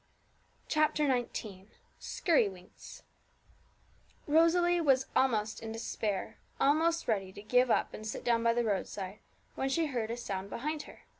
CHAPTER XIX SKIRRYWINKS Rosalie was almost in despair, almost ready to give up and sit down by the roadside, when she heard a sound behind her.